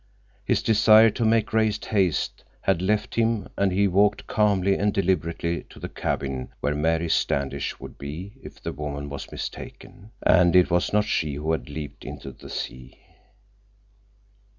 His desire to make great haste had left him, and he walked calmly and deliberately to the cabin where Mary Standish would be if the woman was mistaken, and it was not she who had leaped into the sea.